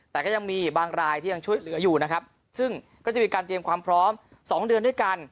แต่ก็ยังมีบางรายที่ยังช่วยเหลืออยู่นะครับซึ่งก็จะมีการเตรียมความพร้อม๒เดือนด้วยกัน